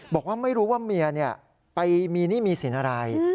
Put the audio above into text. บอกว่าไม่รู้ว่าเมียไปมีหนี้มีสินอะไร